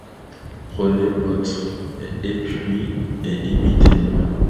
Prenez votre épieu et imitez-moi.